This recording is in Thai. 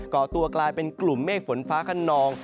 ก่อตัวกลายเป็นกลุ่มเมฆฝนฟ้าขนอง